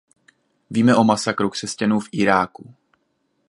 Víme o masakru křesťanů v Iráku.